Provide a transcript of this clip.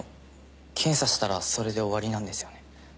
検査したらそれで終わりなんですよね？